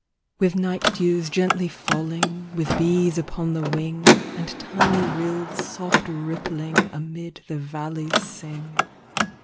With night dews gently falling, With bees upon the wing, And tiny rills soft rippling Amid the valleys sing.